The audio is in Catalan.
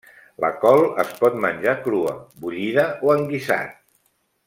La col es pot menjar crua, bullida o en guisat.